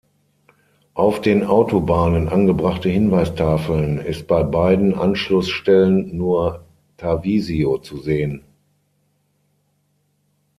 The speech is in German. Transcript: Auf den Autobahnen angebrachte Hinweistafeln ist bei beiden Anschlussstellen nur "Tarvisio" zu sehen.